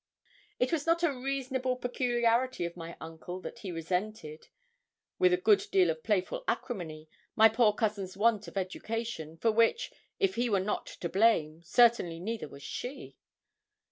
It was not a reasonable peculiarity of my uncle that he resented, with a good deal of playful acrimony, my poor cousin's want of education, for which, if he were not to blame, certainly neither was she.